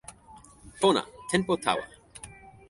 pona! tenpo tawa!